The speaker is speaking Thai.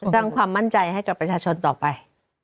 สร้างความมั่นใจให้กับประชาชนต่อไป